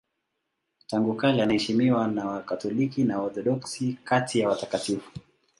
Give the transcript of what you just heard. Tangu kale anaheshimiwa na Wakatoliki na Waorthodoksi kati ya watakatifu.